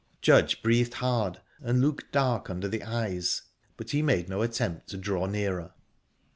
Judge breathed hard, and looked dark under the eyes, but he made no attempt to draw nearer.